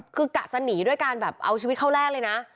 คือกะจะหนีด้วยการแบบเอาชีวิตเข้าแรกเลยนะ